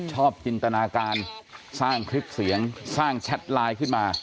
จินตนาการสร้างคลิปเสียงสร้างแชทไลน์ขึ้นมา